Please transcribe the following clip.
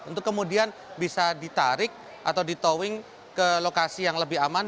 untuk kemudian bisa ditarik atau di towing ke lokasi yang lebih aman